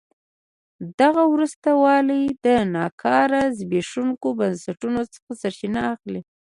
دغه وروسته والی د ناکاره زبېښونکو بنسټونو څخه سرچینه اخلي.